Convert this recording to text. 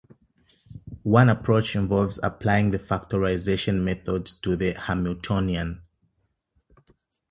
One approach involves applying the factorization method to the Hamiltonian.